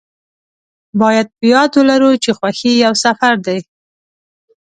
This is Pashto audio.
باید په یاد ولرو چې خوښي یو سفر دی.